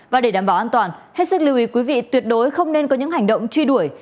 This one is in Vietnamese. và để đảm bảo an toàn hết sức lưu ý quý vị tuyệt đối không nên có những hành động truy đuổi